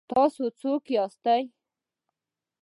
تاسو څنګ ياست؟